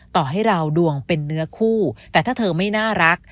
ต่อให้เราดวงเป็นเนื้อคู่แต่ถ้าเธอไม่น่ารัก